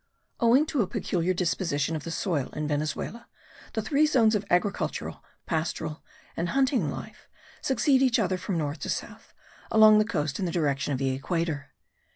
Owing to a peculiar disposition of the soil in Venezuela the three zones of agricultural, pastoral and hunting life succeed each other from north to south along the coast in the direction of the equator.